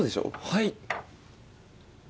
はい。